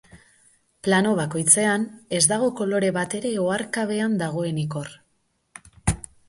Plano bakoitzean, ez dago kolore bat ere oharkabean dagoenik hor.